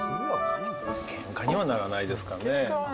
けんかにはならないですかね。